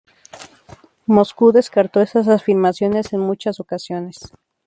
Moscú descartó esas afirmaciones en muchas ocasiones.